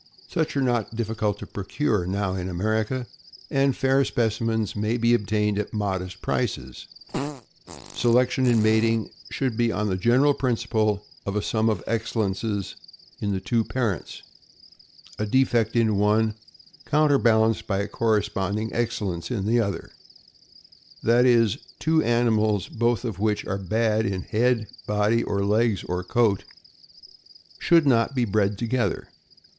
Such are not difficult 406 THE AMERICAN BOOK OF THE DOG. to procure now in America, and fair specimens may be obtained at modest prices. Selection in mating should be on the general principle of a sum of excellences in the two parents — a defect in one counterbalanced by a correspond ing excellence in the other; that is, two animals, both of which are bad in head, or body, or legs, or coat, should not be bred together.